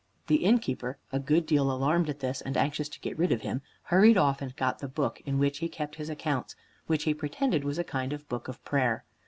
The innkeeper, a good deal alarmed at this, and anxious to get rid of him, hurried off and got the book in which he kept his accounts, which he pretended was a kind of book of prayer.